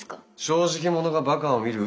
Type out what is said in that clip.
正直者がバカを見る。